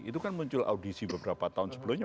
itu kan muncul audisi beberapa tahun sebelumnya